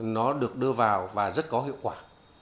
nó được đưa vào và rất có hiệu quả